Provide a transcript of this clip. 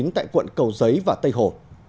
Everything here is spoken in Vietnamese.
tại quận cầu giấy và tây hồ